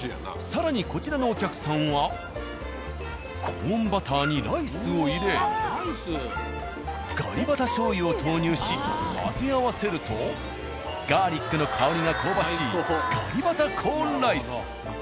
更にこちらのお客さんはコーンバターにライスを入れガリバタ醤油を投入し混ぜ合わせるとガーリックの香りが香ばしい。